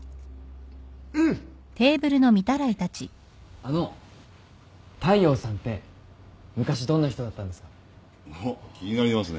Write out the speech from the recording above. あの大陽さんって昔どんな人だったんですか？